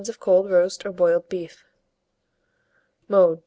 of cold roast or boiled beef. Mode.